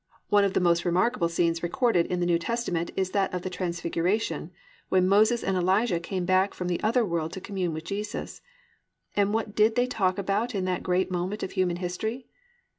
"+ 4. One of the most remarkable scenes recorded in the New Testament is that of the transfiguration, when Moses and Elijah came back from the other world to commune with Jesus. And what did they talk about in that great moment of human history?